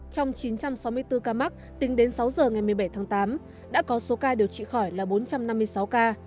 trong chín trăm sáu mươi bốn ca mắc tính đến sáu giờ ngày một mươi bảy tháng tám đã có số ca điều trị khỏi là bốn trăm năm mươi sáu ca